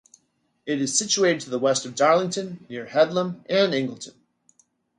It is situated to the west of Darlington, near Headlam and Ingleton.